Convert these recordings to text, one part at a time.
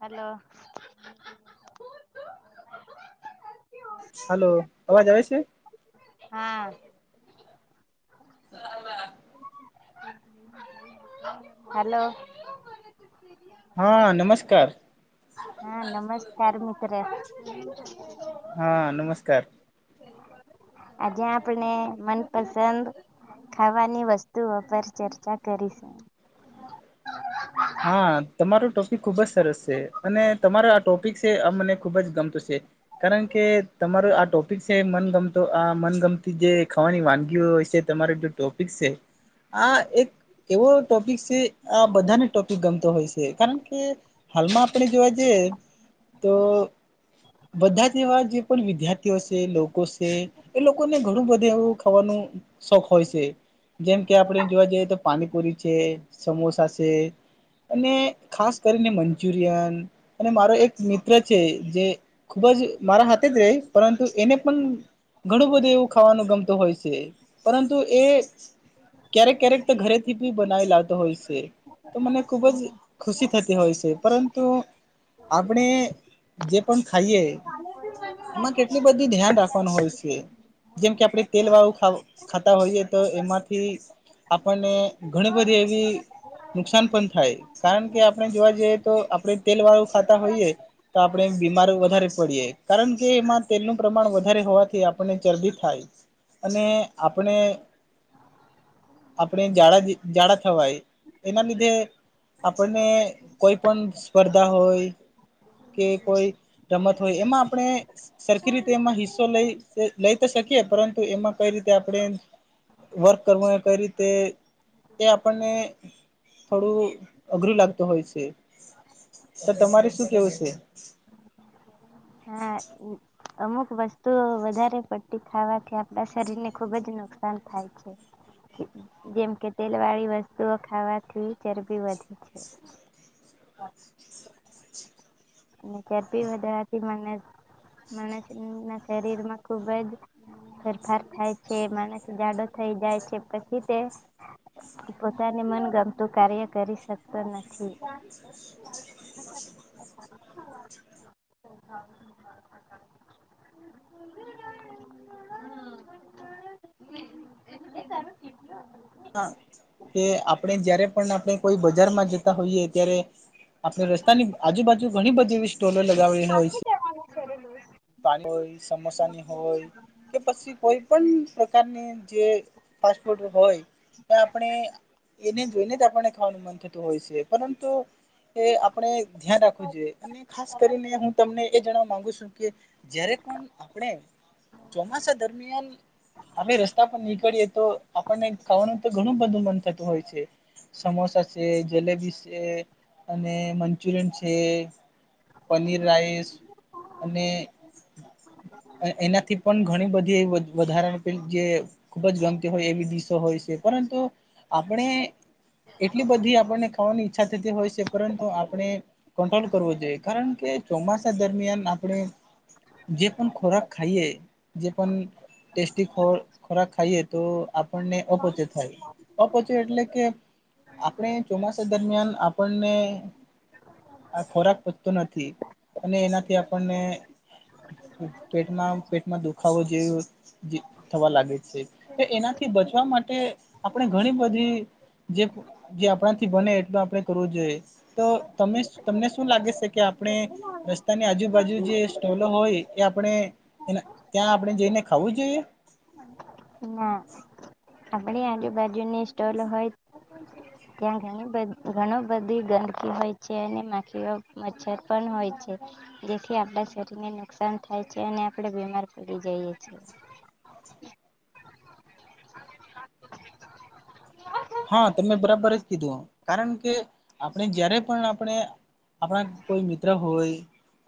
બ. [unintelligible] Hello. [inaudible] Hello અવાજ આવે છે. હા. હલો. હા નમસ્કાર. હા નમસ્કાર મિત્રે. હા નમસ્કાર. આજે આપણે મનપસંદ ખાવાની વસ્તુઓ પર ચર્ચા કરીશું. હા તમારો ટોપિક ખુબ જ સરસ છે અને તમારો આ ટોપિક છે આ મને ખુબ જ ગમતું છે. કારણ કે તમારો આ ટોપિક છે મનગમતો આ મનગમતી જે ખાવાની વાનગીઓ હોય છે. તમારો જે ટોપિક છે આ એક એવો ટોપિક છે આ બધાને ટોપિક ગમતો હોય છે કારણ કે હાલમાં આપણે જોવા જઈએ તો બધા જ એવા જે પણ વિદ્યાર્થીઓ છે લોકો છે. એ લોકોને ઘણું બધું એવું ખાવાનું શોખ હોય છે. જેમ કે આપણે જોવા જઈએ તો પાણીપુરી સમોસા છે. અને ખાસ કરીને મંચુરિયન અને મારો એક મિત્ર છે જે. ખુબ જ મારા હાથે જ રહે પરંતુ એને પણ ઘણું બધું એવું ખાવાનું ગમતું હોય છે પરંતુ એ ક્યારેક ક્યારેક તો ઘરેથી બી બનાવી લાવતો હોય છે. તો મને ખુબ જ ખુશી થતી હોય છે પરંતુ આપણે જે પણ ખાઈએ. એમાં કેટલી બધી ધ્યાન રાખવાનું હોય છે. જેમ કે આપણે તેલ વાળું ખાવું ખાતા હોઈએ તો એમાંથી આપણને ઘણી બધી એવી નુકસાન પણ થાય કારણ કે આપણે જોવા જઈએ તો આપણે તેલ વાળું ખાતા હોઈએ. તો આપણે બીમાર વધારે પડીએ કારણ કે એમાં તેલનું પ્રમાણ વધારે હોવાથી આપણને ચરબી થાય અને આપણે આપણે જાડા જાડા થવાય. એના લીધે આપણને કોઈ પણ સ્પર્ધા હોય કે કોઈ રમત હોય એમાં આપણે સરખી રીતે એમાં હિસ્સો લઈ લઈ તો શકીએ પરંતુ એમાં કઈ રીતે આપણે વર્ક કરવું એ કઈ રીતે એ આપણને થોડું અઘરું લાગતું હોય છે તો તમારે શું કેવું છે. હા. અમુક વસ્તુ વધારે પડતી ખાવાથી આપણા શરીર ને ખુબ જ નુકસાન થાય છે. જેમ કે તેલ વાળી વસ્તુઓ ખાવાથી ચરબી વધી છે. ચરબી વધારથી માનસ માણસના શરીર માં ખુબ જ ફેરફાર થાય છે માણસ જાડો થઈ જાય છે પછી તે પોતાને મનગમતું કાર્ય કરી શકતો નથી હા તે આપણે જયારે પણ આપણે કોઈ બજારમાં જતા હોઈએ ત્યારે આપણે રસ્તાની આજુબાજુ ઘણી બધી એવી સ્ટોલો લગાવને હોય છે. વાનું કરલું [unintelligible] સમોસાની હોય. કે પછી કોઈ પણ પ્રકારની જે ફાસ્ટ ફૂડ હોય. આપણે એને જોઈને જ આપણને ખાવાનું મન થતું હોય છે પરંતુ એ આપણે ધ્યાન રાખવું જોઈએ અને ખાસ કરીને હું તમને એ જણવા માંગુ છું. કે જય્યારે પણ આપણે ચોમાસા દરમિયાન આપણે રસ્તા પર નીકળીએ તો આપણને ખાવાનું તો ઘણું બધું મન થતું હોય છે. સમોસા છે જલેબી છે, અને મંચુરિયન છે. પનીર રાઈસ. અને એનાથી પણ ઘણી બધી એ વધારા પલી જે- ખૂબ જ ગમતી હોય એવી દિશો હોય છે પરંતુ, આપણે એટલી બધી આપણને ખાવાની ઈચ્છા થતી હોય છે પરંતુ આપણે કંટ્રોલ કરવો કારણ કે ચોમાસા દરમિયાન આપણે જે પણ ખોરાક ખાઈએ જે પણ ટેસ્ટી ખોરાક ખાઈએ તો આપણને ઓપોચ થ, અપછી એટલે કે, આપણે ચોમાસા દરમિયાન આપણને આ ખોરાક પતો નથી, અને એનાથી આપ આપણને દુખાવો જેવી થવા લાગે છે, તો એનાથી બચવા માટે આપણે ઘણી બધી. જે જે આપણાથી બને એટલ આપણે કરવું જોઈએ, તો ત તમને શું લાગે છે કે આપણે, રસ્તાની આજુબાજુ જે સ્ટોલો હોય એ આપણે ત્યાં આપણે જઈને ખાવું જોઈએ? ના, આપડી આજુબાજુની સ્ટોલ હોય. ત્યાંણી ઘણું બધી ગંદકી હોય છે અને માખીઓ મચ્છર પણ હોય છે. જેથી આપડા શરીરને નુકસાન થાય છે અને આપણેે બીમાર પડી જઈ છ છેએ. હચછા. [unintelligible] હા તમે બરાબર જ કીધું, કારણ કે આપણે જયારે પણ આપણે આપણા કોઈ મિત્ર હોય,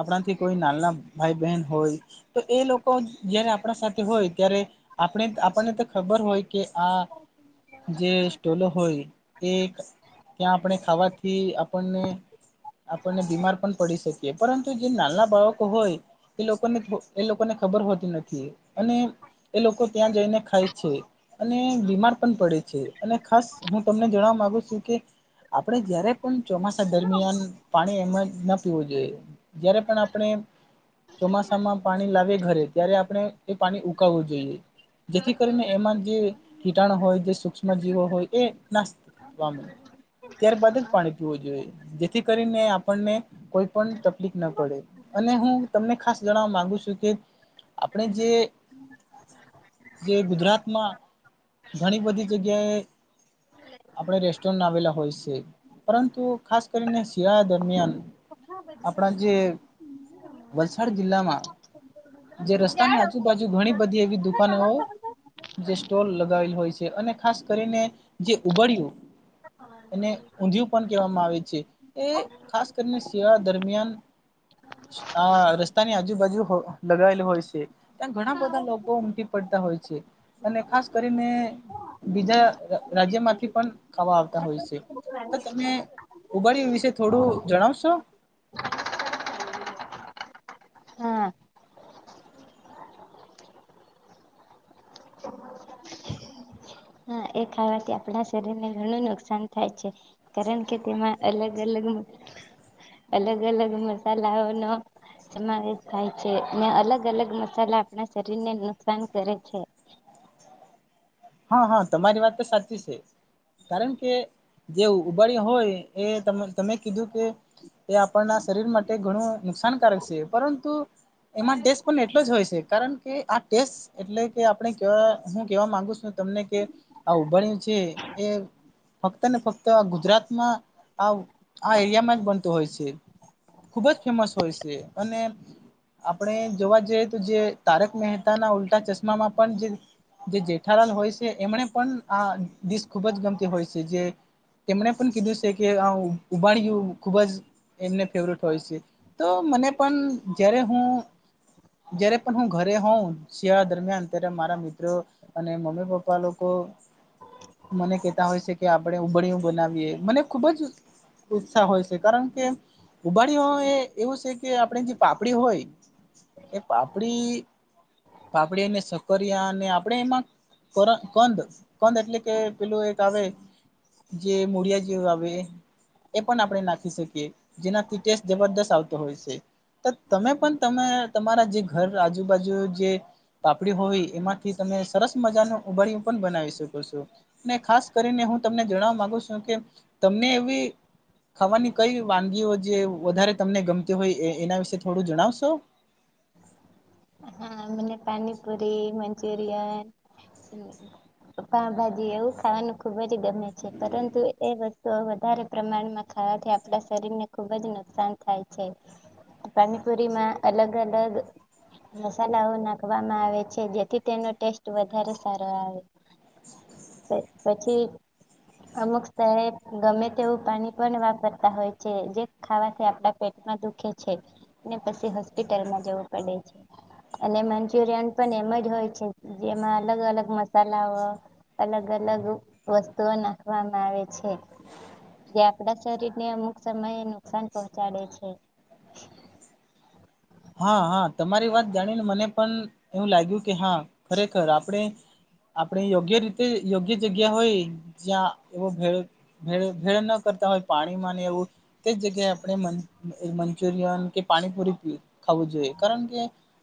આપણાથી કોઈ નાલના ભાઈ બહેન હોય. તો એ લોકો જયારે આપણા સાથે હોય ત્યારે. આપણે આપણને તો ખબર હોય કે આ જે ટોલો હોય, એ ત્યાં આપણે ખાવાથી આપણને આપણને બીમાર પણ પડી શકીએ પરંતુ જે નાના બાળકો હોય. એ લોકોને એ લોકોને ખબર હોતી નથી, અને એ લોકો ત્યાં જઈને ખાય છે, અને બીમાર પણ પડે છે. અને ખાસ હું તમને જણવા માગુ છું કે આપડે જયારે પણ ચોમાસા દરમિયાન પાણી એમાં ના પીવું જોઈએ. જયારે પણ આપણે ચોમાસામાં પાણી લાવે ઘરે ત્યારે આપણે એ પાણી ઉકાળવું જોઈએ. જેથી કરીને એમાં જે કીટાણ હોય, છે જે સુ જીવો હોય એ નાસ્તો ત્યારબદ જ પાણી પીવું જોઈએ. જેથી કરીને આપણને કોઈ પણ તકલીફ ના પડે. અને હું તમને ખાસ જણવા માંગુ છું કે, આપણે જે જે ગુજરાતમાં ઘણી બધી જગ્યાએ આપણે રેસ્ટોરન્ટ આવેલા હોય છે. પરંતુ ખાસ કરીને શિયાળા દરમિયાન હા ભધી. આપણા જે [inaudible] વલસાડ જિલ્લામાં જે રસ્તાની આજુબાજુ ઘણી બધી એવી દુકાનો જે સ્ટોલ લગાવેલ હોય છે અને ખાસ કરીને જે ઉબડયુ એને ઊંધિયું પણ કહેવામાં આવે છે. એ ખાસ કરીને શિયાળા દરમિયાન હા રસ્તાની આજુબાજુ હો લગાવેલુ હોય છે. ત્યાં ઘણા બધા લોકો ઉમટી પડતા હોય છે અને ખાસ કરીને બીજા રા રાજ્યમાંથી પણ ખાવા આવતા હોય છે તો તમે ઉબાડયુ વિશે થોડું જણાવશો. હા હા એ ખાવાથી આપણા શરીર ને ઘણું નુકસાન થાય છે. કારણ કે તેમા અલગ અલગ અલગ અલગ મસાલાઓનો સમાવેશ થાય છે અને અલગ અલગ મસાલા આપણા શરીર ને નુકસાન કરે છે. હા હા તમારી વાત તો સાચી છે. કારણ કે જે ઉબડયુ હોય એ તમે તમે કીધું કે એ આપણના શરીર માટે ઘણું નુકસાનકારક છે પરંતુ એમાં ટેસ્ટ પણ એટલો જ હોય છે કારણ કે આ ટેસ્ટ એટલે કે આપણે હું કેવા માંગુ છું તમને કે આ ઉબડ્યું છે એ ફક્ત ને ફક્ત આ ગુજરાતમાં આ આ એરિયામાં જ બનતો હોય છે. ખુબ જ ફેમસ હોય છે અને આપણે જોવા જઈએ તો જે તારક મહેતા ના ઉલ્ટા ચશ્મામાં પણ જે જે જેઠાલાલ હોય છે એમને પણ આ દિશ ખૂબ જ ગમતી હોય છે જે તેમણે પણ કીધું છે કે આ ઉપાડયું ખુબ જ એમને ફેવરેટ હોય છે તો મને પણ જ્યારે હું જયારે પણ હું ઘરે હોઉ શિયાળા દરમિયાન ત્યારે મારા મિત્રો અને મમ્મી પપ્પા પપ્પા લોકો મને કેતા હોય છે કે આપણે ઉભડું બનાવીએ મને ખુબ જ ઉત્સાહ હોય છે કારણ કે ઉબાડી હોય એ એવું છે કે આપણે જે પાપડી હોય એ પાપડી પાપડીને સકરિયા અને આપણેે એમાં પરમ કંદ કંદ એટલે કે પેલું એક આવે જે મુળિયા જેવું આવે એ પણ આપણે નાખી શકીએ જેનાથી ટેસ્ટ જબરદસ્ત આવતો હોય છે. તો તમે પણ તમે તમારા જે ઘર આજુબાજુ જે પાપડી હોવી એમાંથી તમે સરસ મજાનું ઉબળું પણ બનાવી શકો છો. ને ખાસ કરીને હું તમને જણવા માંગુ છું કે તમને એવી ખાવાની કઈ વાનગીઓ જે વધારે તમને ગમતી હોય એ એના વિશે થોડું જણાવશો. હા મને પાણીપુરી મંચુરીયન પાવભાજી એવું ખાવાનું ખુબ જ ગમે છે પરંતુ એ વસ્તુ તો વધારે પ્રમાણમાં ખાવાથી આપણા શરીર ને ખુબ જ નુકસાન થાય છે. પાણીપુરીમાં અલગ-અલગ મસાલાઓ નાખવામાં આવે છે જેથી તેનો ટેસ્ટ વધારે સારો આવે. પ પછી. અમુક શાહેબ ગમે તેવું પાણી પણ વાપરતા હોય છે જે ખાવાથી આપડા પેટમાં દુખે છે ને પછી હોસ્પિટલમાં જવું પડે છે. અને મંચુરિયન પણ એમ જ હોય છે જેમાં અલગ- અલગ મસાલાઓ. અલગ નાખવામાં આવે છે. જે આપડા શરીર ને અમુક સમયે નુકસાન પહોંચાડે છે. હા હા તમારી વાત જાણીને મને પણ એવું લાગ્યું કે હા ખરેખર આપણે. આપણે યોગ્ય રીતે યોગ્ય જગ્યા હોય જ્યાં એવો ભેળ ભે ભેળ ન કરતા હોય પાણી માં એવું. તે જગ્યાએ આપણે મંચુરિયન કે પાણીપુરી પી ખાવું જોઈએ કારણ કે,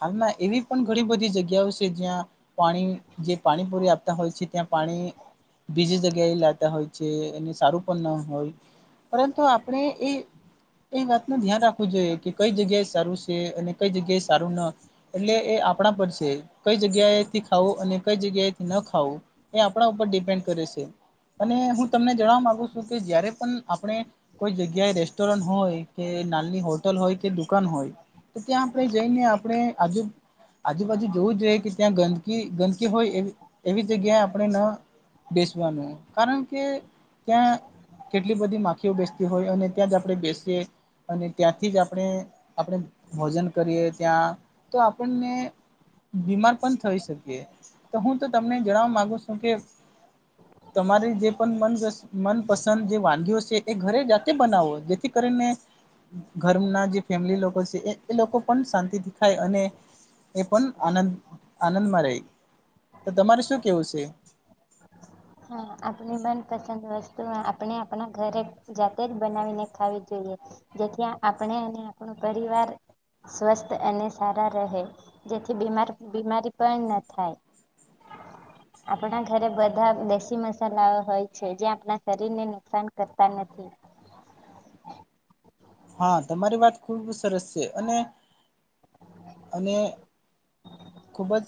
હાલમાં એવી પણ ઘણી બધી જગ્યાઓ છે જ્યાં પાણી જે પાણીપુરી આપતા હોય છે ત્યાં પાણી બીજી જગ્યા એ લાતા હોય છે એને સારું પણ ના હોય. પરંતુ આપણે એ એ વાત ન ધ્યાન રાખવું જોઈએ કે કઈ જગ્યાએ સારું જે અને કઈ જગ્યાએ સારું ન એટલે એ આપણા પર છે કઈ જગ્યાએથી ખાવું અને કઈ જગ્યાએથી ન ખાવું. એ આપણા ઉપર ડિપેન્ડ કરે છે. અને હું તમને જણવા માગુ છું કે જયારે પણ આપણે કોઈ જગ્યાએ રેસ્ટોરન્ટ હોય કે નાલની હોટલ હોય કે દુકાન હોય. તો ત્યાં આપણે જઈને આપણે આજુ આજુબાજુ જોવું જોઈએ કે ત્યાં ગંદકી ગંદકી હોય એ એવી જગ્યાએ આપણે ન બેસવાનું, કારણ કે ત્યાં કેટલી બધી માખીઓ બેસતી હોય અને ત્યાં જ આપણે બેસીએ. અને ત્યાંથી જ આપણે આપણે ભોજન કરીએ ત્યાં તો આપણને બીમાર પણ થઈ શકે, તો હું તો તમને જણાવવા માંગુ છું કે [inaudible] તમારી જે પણન મનપસંદ જે વાનગી છે એ ઘરે જાતે બનાવો જેથી કરીને ઘરના જે ફેમિલી લોકો છે, એ લોકો પણ શાંતિથી ખાય અને એ પણ આનંદ આનંદમાં રહીતો, તમારે શું કેવું છે? હા આપણી મનપસંદ વસ્તુ આપણે આપણા ઘરે જાતે જ બનાવીને ખાવી જોઈએ. જેથી આપણે અને આપણો પરિવાર સ્વસ્થ અને સારા રહે. જેથી બીમાર બીમારી પણ ન થાય, આપણા ઘરે બધા દેશી મસાલા હોય છે, જે આપણા શરીર ને નુકસાન કરતા નથી. હા તમારી વાત ખુબ સરસ છે, અને જ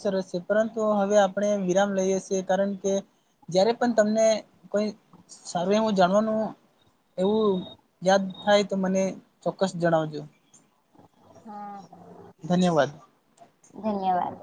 સરસ છે, પરંતુ તો હવે આપણે વિરામ લઈએ છીએ કારણ કે, જયારે પણ તમને કોઈ સારું હું જાણવાનું એવું યાદ થાય તો મને ચોક્કસ જણાવજો. હા. ધન્યવાદ. ધન્યવાદ.